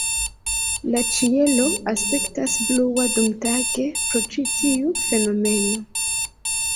La ĉielo aspektas blua dumtage pro ĉi tiu fenomeno.